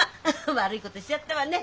悪いことしちゃったわね。